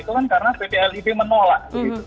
itu kan karena pt lib menolak